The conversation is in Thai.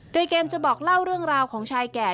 โดยเกมจะบอกเล่าเรื่องราวของชายแก่